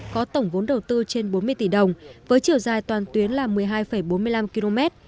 có tổng vốn đầu tư trên bốn mươi tỷ đồng với chiều dài toàn tuyến là một mươi hai bốn mươi năm km